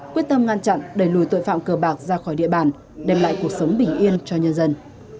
quyết tâm ngăn chặn đẩy lùi tội phạm cờ bạc ra khỏi địa bàn đem lại cuộc sống bình yên cho nhân dân